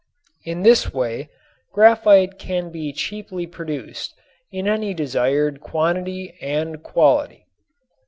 In this way graphite can be cheaply produced in any desired quantity and quality.